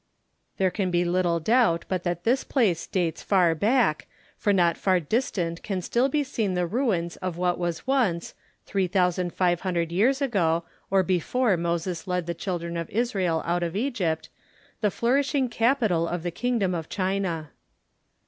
There can be little doubt but that this place dates far back, for not far distant can be still seen the ruins of what was once—three thousand five hundred years ago, or before Moses led the Children of Israel out of Egypt,—the flourishing capitol of the Kingdom of China.